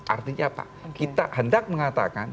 artinya apa kita hendak mengatakan